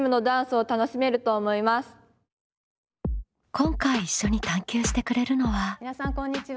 今回一緒に探究してくれるのは。